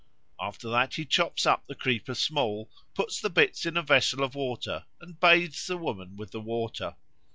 After that he chops up the creeper small, puts the bits in a vessel of water, and bathes the woman with the water.